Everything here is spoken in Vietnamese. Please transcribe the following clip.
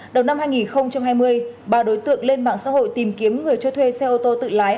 đầu năm hai nghìn hai mươi ba đối tượng lên mạng xã hội tìm kiếm người cho thuê xe ô tô tự lái